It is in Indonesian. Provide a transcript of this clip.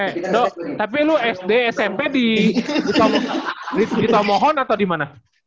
eh do tapi lu sd smp di tomohon atau di mana